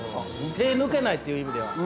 手抜けないっていう意味では。